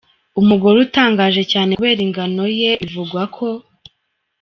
Umugore utangaje cyane kubera ingano ye bivugwa ko.